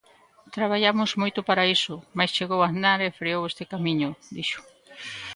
Traballamos moito para iso, mais chegou Aznar e freou este camiño, dixo.